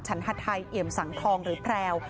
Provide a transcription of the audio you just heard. ฉันฮัทไทเอ๋มสังทองหรือแพรว